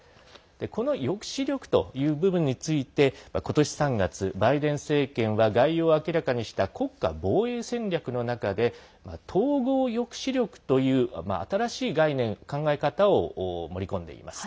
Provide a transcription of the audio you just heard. この抑止力という部分についてことし３月、バイデン政権は概要を明らかにした国家防衛戦略の中で統合抑止力という新しい概念、考え方を盛り込んでいます。